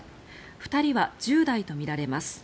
２人は１０代とみられます。